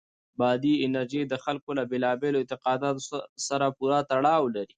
بادي انرژي د خلکو له بېلابېلو اعتقاداتو سره پوره تړاو لري.